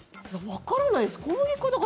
分からないです。